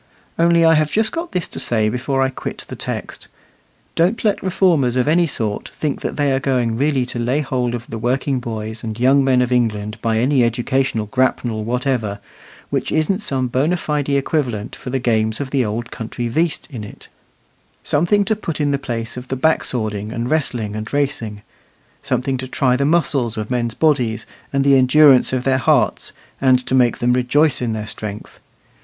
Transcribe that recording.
Only I have just got this to say before I quit the text. Don't let reformers of any sort think that they are going really to lay hold of the working boys and young men of England by any educational grapnel whatever, which isn't some bona fide equivalent for the games of the old country "veast" in it; something to put in the place of the back swording and wrestling and racing; something to try the muscles of men's bodies, and the endurance of their hearts, and to make them rejoice in their strength.